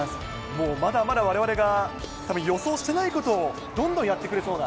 もうまだまだわれわれがたぶん、予想してないことをどんどんやってくれそうな。